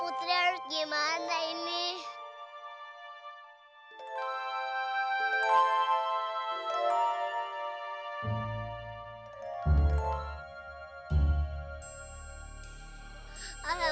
ya allah ini gimana ya allah